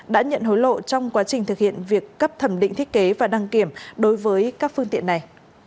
đã nhận hối lộ trong quá trình thực hiện việc cấp thẩm định thiết kế và đăng kiểm đối với các phương tiện này